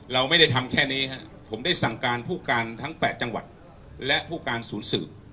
เราไม่ได้ทำแค่นี้ครับผมได้สั่งการผู้การทั้ง๘จังหวัดและผู้การศูนย์สืบ